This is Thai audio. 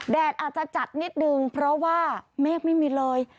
อาจจะจัดนิดนึงเพราะว่าเมฆไม่มีเลย